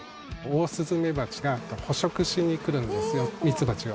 オオスズメバチが捕食しに来るんですよミツバチを。